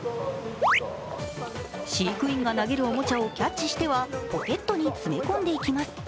飼育員が投げるおもちゃをキャッチしてはポケットに詰め込んでいきます。